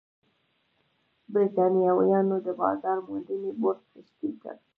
برېټانویانو د بازار موندنې بورډ تشکیل کړ.